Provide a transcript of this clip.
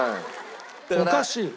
おかしい。